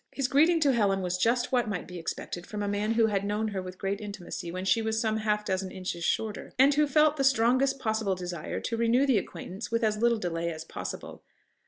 His greeting to Helen was just what might be expected from a man who had known her with great intimacy when she was some half dozen inches shorter, and who felt the strongest possible desire to renew the acquaintance with as little delay as possible.